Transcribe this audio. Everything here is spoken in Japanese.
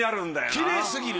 きれいすぎる！